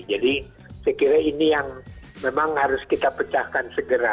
jadi saya kira ini yang memang harus kita pecahkan segera